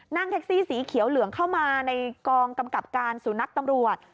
นั่งแท็กซี่สีเขียวเหลืองเข้ามาในกองกำกับการสุนัขตำรวจ